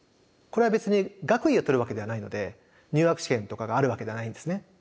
これは別に学位を取るわけではないので入学試験とかがあるわけではないんですね。